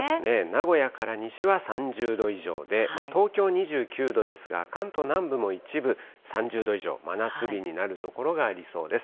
名古屋から西は３０度以上で、東京２９度ですが、関東南部も一部、３０度以上、真夏日になる所がありそうです。